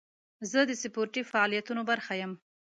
زه د سپورتي فعالیتونو برخه یم.